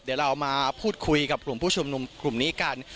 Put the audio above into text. เดี๋ยวเรามาพูดคุยกับกลุ่มผู้ชุมนุมกลุ่มนี้กัน